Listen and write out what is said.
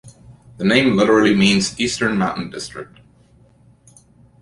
The name literally means "Eastern Mountain District".